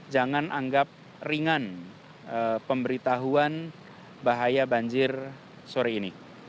jangan anggap ringan pemberitahuan bahaya banjir sore ini